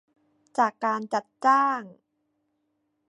จากการจัดจ้าง